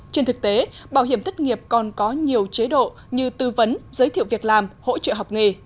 trên thực tế bảo hiểm thất nghiệp còn có nhiều chế độ như tư vấn giới thiệu việc làm hỗ trợ học nghề